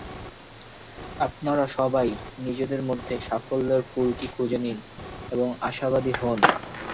আপনারা সবাই নিজেদের মধ্যে সাফল্যের ফুলকি খুঁজে নিন এবং আশাবাদী হন।